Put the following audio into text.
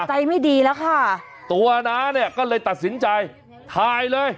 ใจไม่ดีแล้วค่ะตัวน้าเนี่ยก็เลยตัดสินใจถ่ายเลย